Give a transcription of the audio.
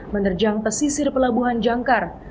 menerjang pesisir pelabuhan jangkar